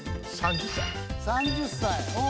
３０歳お。